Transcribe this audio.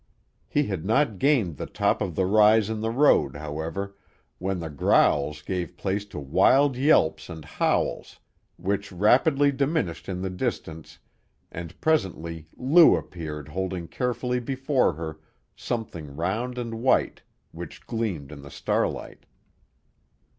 He had not gained the top of the rise in the road, however, when the growls gave place to wild yelps and howls which rapidly diminished in the distance and presently Lou appeared holding carefully before her something round and white which gleamed in the starlight.